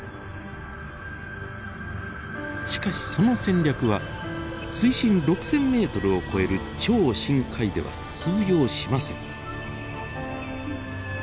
しかしその戦略は水深６，０００ｍを超える超深海では通用しません。